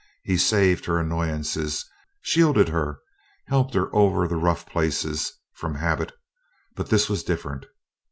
He saved her annoyances, shielded her, helped her over the rough places, from habit but this was different.